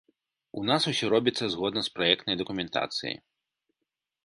У нас усё робіцца згодна з праектнай дакументацыяй.